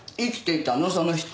その人。